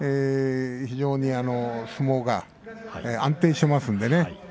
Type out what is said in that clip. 非常に相撲が安定しています。